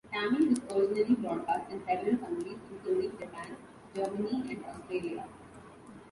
"Tammy" was originally broadcast in several countries, including Japan, Germany, and Australia.